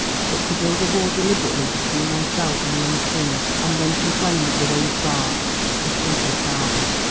But to build a wall deliberately between oneself and the unseen, and then complain that the way is barred, is simply childish."